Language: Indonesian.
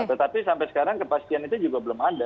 tetapi sampai sekarang kepastian itu juga belum ada